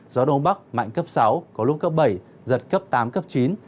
gió đông bắc mạnh cấp sáu có lúc cấp bảy giật cấp tám cấp chín